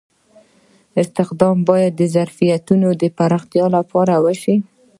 استخدام باید د ظرفیتونو د پراختیا لپاره وشي.